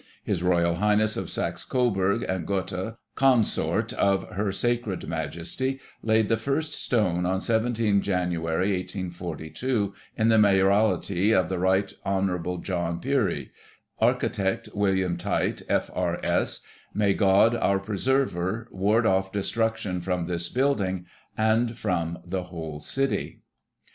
His Royal High ness of Saxe Coburg and Gotha, Consort of Her Sacred Majesty, laid the first stone on 17 Jan., 1842, in the Mayoralty of the Rt. Hon. John Pirie. Architect, William Tite, F.R.S. May God, our Preserver, ward off destruction from this building, and from the whole City."